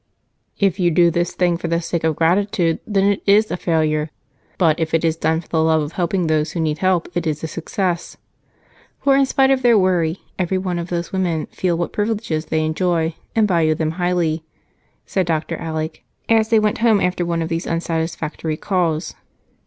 "If you do this thing for the sake of the gratitude, then it is a failure but if it is done for the love of helping those who need help, it is a success, for in spite of their worry every one of these women feel what privileges they enjoy and value them highly," said Dr. Alec as they went home after one of these unsatisfactory calls.